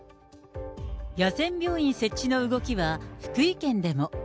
野戦病院設置の動きは、福井県でも。